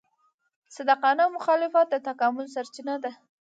صادقانه مخالفت د تکامل سرچینه ده.